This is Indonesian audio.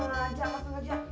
nggak sengaja mas sengaja